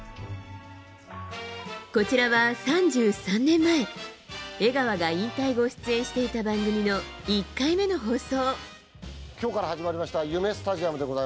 こちらは３３年前江川が引退後出演していた番組の１回目の放送。